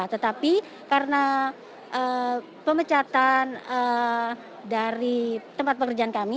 tetapi karena pemecatan dari tempat pekerjaan kami